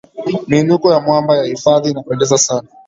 miinuko ya mwamba ya hifadhi inapendeza sana